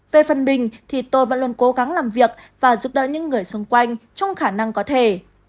về phần mình thì tôi vẫn luôn cố gắng làm việc và giúp đỡ những người xung quanh trong khả năng có thể